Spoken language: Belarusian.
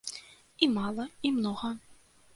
І мала, і многа.